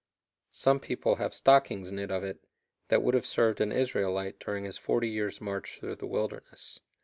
Some People have Stockings knit of it, that would have served an Israelite during his forty Years march thro' the Wilderness."